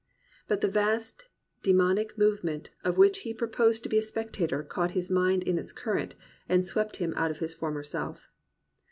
But the vast daemonic move ment of which he proposed to be a spectator caught his mind in its current and swept him out of his former self.